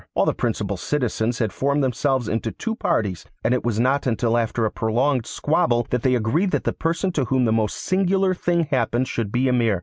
All the principal citizens had formed themselves into two parties, and it was not until after a prolonged squabble that they agreed that the person to whom the most singular thing happened should be Emir.